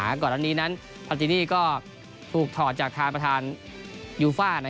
ที่ถูกกล่าวหาก่อนอันนี้นั้นพาตินี่ก็ถูกถอดจากทางประธานยูฟา